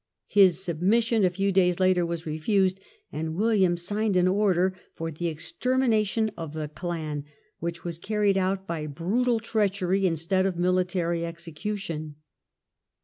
His submission a few days later was refused, and William signed an order for the extermination of the clan, which was carried out by brutal treachery instead of by military execution.